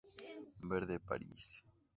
Verde París.